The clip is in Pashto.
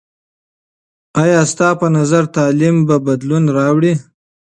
آیا ستا په نظر تعلیم بدلون راوړي؟